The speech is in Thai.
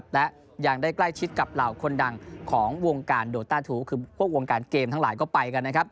และยังได้ใกล้ชิดกับเหล่าคนดังของวงการโดต้าทูปคือพวกวงการเกมทั้งหลายก็ไปกันนะครับ